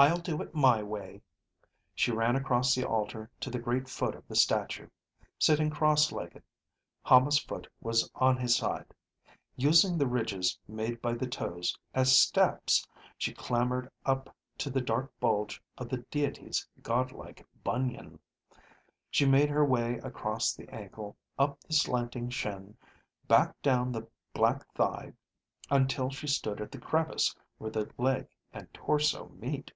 "I'll do it my way." She ran across the altar to the great foot of the statue. Sitting cross legged, Hama's foot was on his side. Using the ridges made by the toes as steps, she clammered up to the dark bulge of the deity's godlike bunion. She made her way across the ankle, up the slanting shin, back down the black thigh, until she stood at the crevice where the leg and torso met.